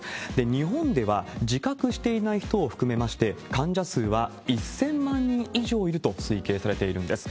日本では、自覚していない人を含めまして、患者数は１０００万人以上いると推計されているんです。